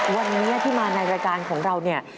วันนี้ที่มาในรายการของเราเนี่ย